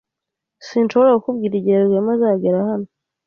Sinshobora kukubwira igihe Rwema azagera hano.